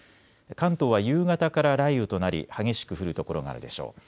関東は夕方から雷雨となり激しく降る所があるでしょう。